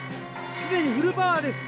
既にフルパワーです！